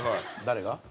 誰が？